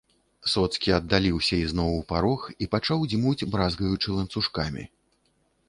Соцкі аддаліўся ізноў у парог і пачаў дзьмуць, бразгаючы ланцужкамі.